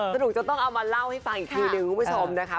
สนุกจนต้องเอามาเล่าให้ฟังอีกทีนึงคุณผู้ชมนะคะ